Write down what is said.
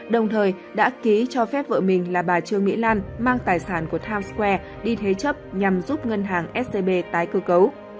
đồng thời đã ký cho phép vợ mình là bà trương mỹ lan mang tài sản của times square đi thế chấp nhằm giúp ngân hàng scb tái cơ cấu